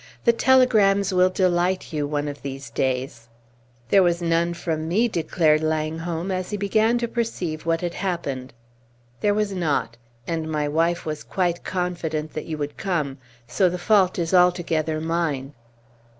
The telegrams will delight you, one of these days!" "There was none from me," declared Langholm, as he began to perceive what had happened. "There was not; and my wife was quite confident that you would come; so the fault is altogether mine.